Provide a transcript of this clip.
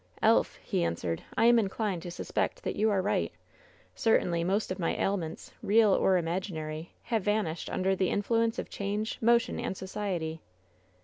^^ "Elf,'' he answered, "I am inclined to suspect that you are right. Certainly most of my ailments, real or imag inary, have vanished under the influence of change, mo tion and society."